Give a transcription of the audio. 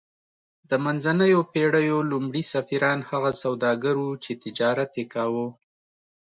د منځنیو پیړیو لومړي سفیران هغه سوداګر وو چې تجارت یې کاوه